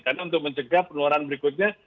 karena untuk mencegah penularan berikutnya